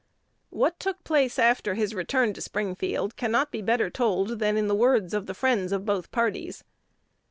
What took place after his return to Springfield cannot be better told than in the words of the friends of both parties.